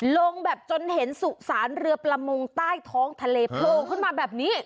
ลงแบบจนเห็นสุสานเรือประมงใต้ท้องทะเลโผล่ขึ้นมาแบบนี้